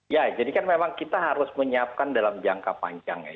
ya jadi kan memang kita harus menyiapkan dalam jangka panjang ya